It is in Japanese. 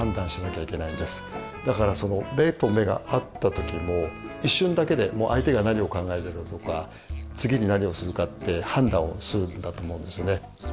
だからその目と目が合った時も一瞬だけでもう相手が何を考えてるとか次に何をするかって判断をするんだと思うんですね。